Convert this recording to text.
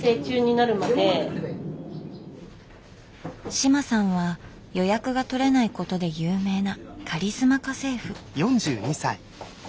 志麻さんは予約が取れないことで有名なカリスマ家政婦。